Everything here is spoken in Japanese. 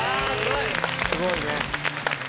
すごいね！